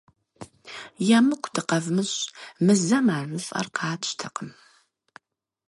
ЕмыкӀу дыкъэвмыщӀ, мы зэм а жыфӀэр къатщтэкъым.